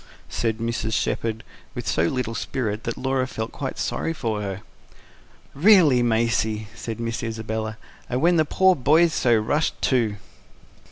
"Tch, tch, tch!" said Mrs. Shepherd, with so little spirit that Laura felt quite sorry for her. "REALLY, Maisie!" said Miss Isabella. "And when the poor boy's so rushed, too."